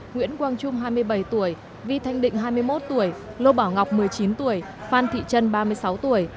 nguyễn quang trung hai mươi bảy tuổi vi thanh định hai mươi một tuổi lô bảo ngọc một mươi chín tuổi phan thị trân ba mươi sáu tuổi